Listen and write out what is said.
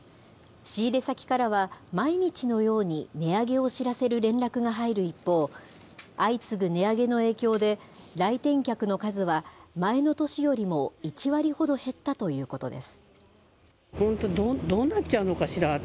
仕入れ先からは、毎日のように値上げを知らせる連絡が入る一方、相次ぐ値上げの影響で、来店客の数は前の年よりも１割ほど減ったということです。